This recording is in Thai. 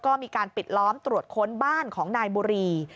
ก็มีการปิดล้อมตรวจค้นบ้านของนายบุรี